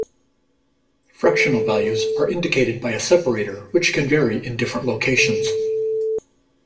Fractional values are indicated by a separator, which can vary in different locations.